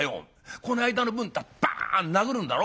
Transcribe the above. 『この間の分』ったらバン殴るんだろ？